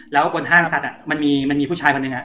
แล้วบนห้างสัตว์มันมีผู้ชายคนหนึ่ง